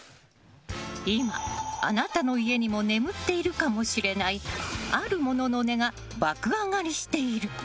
今、あなたの家にも眠っているかもしれないあるものの値が爆上がりしている。